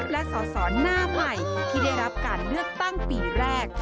และสอสอหน้าใหม่ที่ได้รับการเลือกตั้งปีแรก